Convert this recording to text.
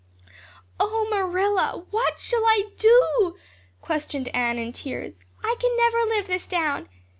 "Oh, Marilla, what shall I do?" questioned Anne in tears. "I can never live this down.